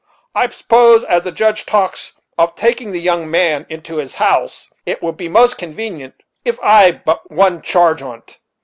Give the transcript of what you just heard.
I s'pose, as the Judge talks of taking the young man into his house, it will be most convenient if I make but one charge on't."